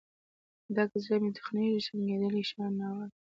ډک زړه مې تخنیږي، شرنګیدلې شان نوا ته